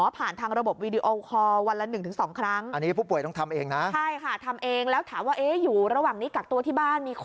พอวัดเสร็จแล้วปั๊บ